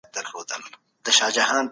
ایا علم تل د حقایقو پر بنسټ ولاړ وي؟